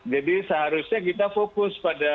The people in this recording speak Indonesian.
jadi seharusnya kita fokus pada pandemi